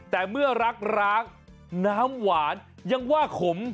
แต่เมื่อรักร้างน้ำหวานยังว่าขม